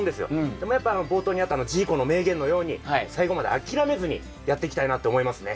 でもやっぱ冒頭にあったあのジーコの名言のように最後まであきらめずにやっていきたいなって思いますね。